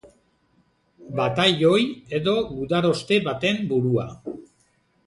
Batailoi edo gudaroste baten burua.